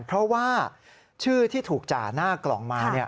เพราะว่าชื่อที่ถูกจ่าหน้ากล่องมา